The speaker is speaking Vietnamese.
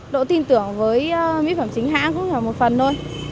độ tin tưởng với mỹ phẩm chính hãng cũng là một phần thôi